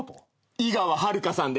井川遥さんです。